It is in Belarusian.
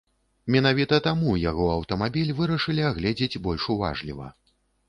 Менавіта таму яго аўтамабіль вырашылі агледзець больш уважліва.